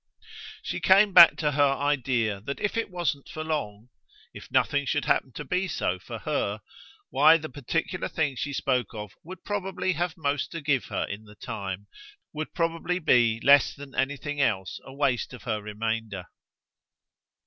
She came back to her idea that if it wasn't for long if nothing should happen to be so for HER why the particular thing she spoke of would probably have most to give her in the time, would probably be less than anything else a waste of her remainder.